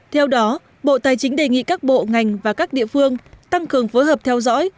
theo đó bộ tài chính đề nghị các bộ ngành và các địa phương tăng cường phối hợp theo dõi